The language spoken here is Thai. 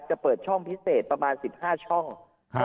จะเปิดช่องพิเศษประมาณสิบห้าช่องครับ